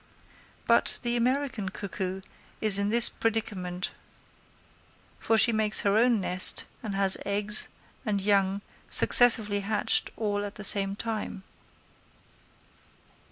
But the American cuckoo is in this predicament, for she makes her own nest and has eggs and young successively hatched, all at the same time.